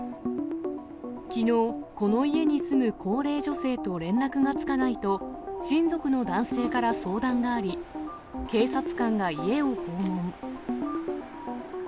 きのう、この家に住む高齢女性と連絡がつかないと、親族の男性から相談があり、警察官が家を訪問。